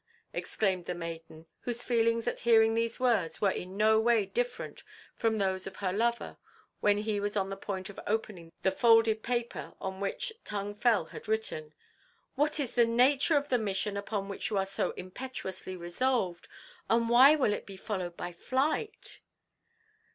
exclaimed the maiden, whose feelings at hearing these words were in no way different from those of her lover when he was on the point of opening the folded paper upon which Tung Fel had written; "what is the nature of the mission upon which you are so impetuously resolved? and why will it be followed by flight?"